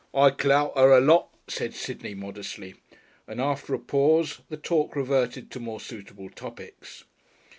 "I clout her a lot," said Sidney modestly, and after a pause the talk reverted to more suitable topics.